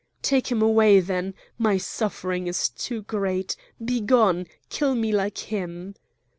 "Take him away then! my suffering is too great! begone! kill me like him!"